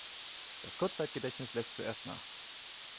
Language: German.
Das Kurzzeitgedächtnis lässt zuerst nach.